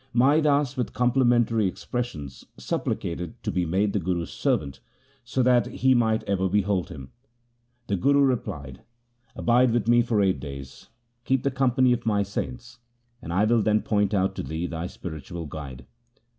Mai Das with complimentary expressions suppli cated to be made the Guru's servant, so that he LIFE OF GURU AMAR DAS 95 might ever behold him. The Guru replied, ' Abide with me for eight days, keep the company of my saints, and I will then point out to thee thy spiritual guide.'